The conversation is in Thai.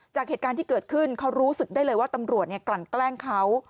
จากเหตุการณ์ที่เกิดขึ้นเขารู้สึกได้เลยว่าตำรวจกลั่นแกล้งเขา